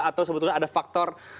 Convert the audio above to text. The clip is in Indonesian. atau sebetulnya ada faktor